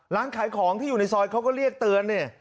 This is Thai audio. ร้านขายของที่อยู่ในซอยเขาก็เรียกเตือนเนี่ย